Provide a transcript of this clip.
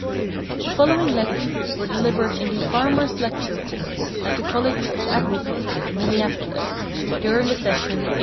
The following lectures were delivered in the "Farmers Lecture Course," at the College of Agriculture, Minneapolis, during the session of 1884.